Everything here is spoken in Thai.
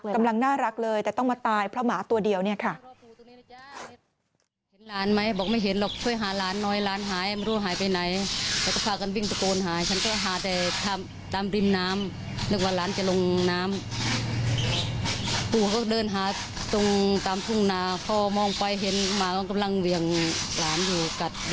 กำลังน่ารักเลยแต่ต้องมาตายเพราะหมาตัวเดียวเนี่ยค่ะ